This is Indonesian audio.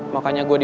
makanya gue di sini